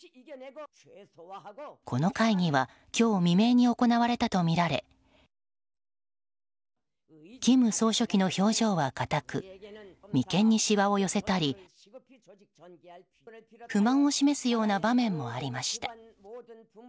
この会議は今日未明に行われたとみられ金総書記の表情は硬く眉間にしわを寄せたり不満を示すような場面もありました。